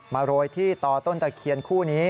โรยที่ต่อต้นตะเคียนคู่นี้